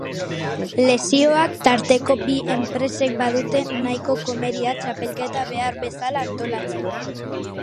Lesioak tarteko bi enpresek badute nahiko komeria txapelketa behar bezala antolatzen.